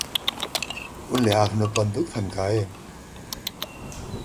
उनले आफ्नो बन्दुक थन्क्याए ।